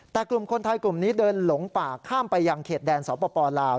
แต่กลุ่มคนไทยกลุ่มนี้เดินหลงป่าข้ามไปยังเขตแดนสปลาว